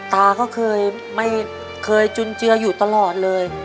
ตาก็เคยไม่เคยจุนเจืออยู่ตลอดเลย